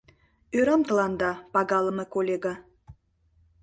— Ӧрам тыланда, пагалыме коллега!